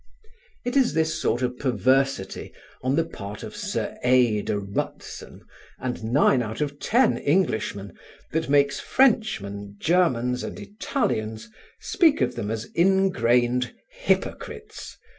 It is this sort of perversity on the part of Sir A. de Rutzen and of nine out of ten Englishmen that makes Frenchmen, Germans and Italians speak of them as ingrained hypocrites.